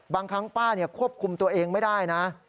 บางครั้งป้าควบคุมตัวเองไม่ได้นะ